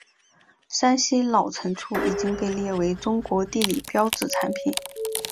山西老陈醋已经被列为中国地理标志产品。